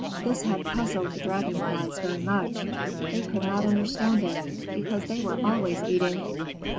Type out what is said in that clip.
This had puzzled the Dragon Flies very much. They could not understand it, because they were always eating.